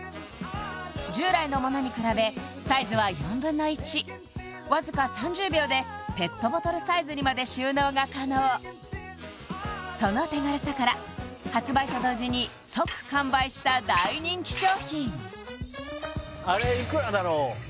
従来のものに比べサイズは４分の１わずか３０秒でペットボトルサイズにまで収納が可能その手軽さから発売と同時に即完売した大人気商品あれいくらだろう？